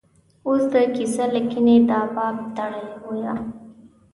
اوس د کیسه لیکنې دا باب تړلی بویه.